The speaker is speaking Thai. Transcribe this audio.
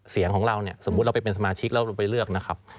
เสียงของเราเนี่ยสมมุติเราไปเป็นสมาชิกแล้วเราไปเลือกนะครับ